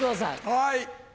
はい。